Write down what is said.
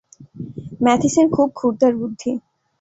ম্যাথিসের খুব ক্ষুরধার বুদ্ধি।